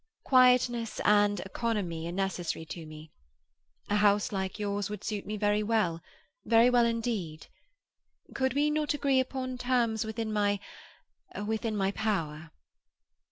Quietness and economy are necessary to me. A house like yours would suit me very well—very well indeed. Could we not agree upon terms within my—within my power?"